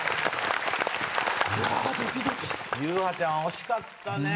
ゆうはちゃん惜しかったね。